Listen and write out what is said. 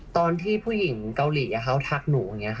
ตอนที่ผู้หญิงเกาหลีเขาทักหนู